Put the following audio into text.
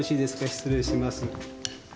失礼します。